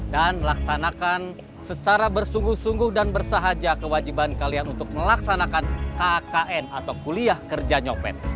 dan melaksanakan secara bersungguh sungguh dan bersahaja kewajiban kalian untuk melaksanakan kkn atau kuliah kerja nyopet